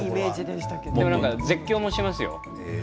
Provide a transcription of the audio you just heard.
でも絶叫もしますよ。